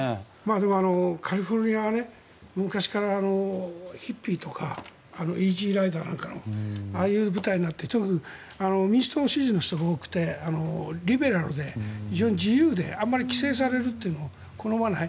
でも、カリフォルニアは昔からヒッピーとか「イージーライダー」なんかのああいう舞台になって民主党支持の人が多くてリベラルで非常に自由であまり規制されるのを好まない。